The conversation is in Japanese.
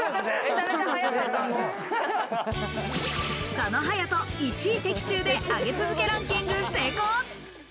佐野勇斗、１位的中で上げ続けランキング成功。